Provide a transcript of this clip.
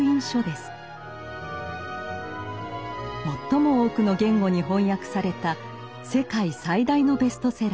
最も多くの言語に翻訳された世界最大のベストセラー。